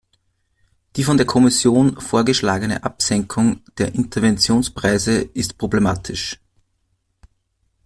Die von der Kommission vorgeschlagene Absenkung der Interventionspreise ist problematisch.